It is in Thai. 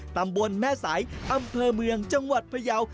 ตำบลแม่สายอำเภอเมืองจังหวัดพยาว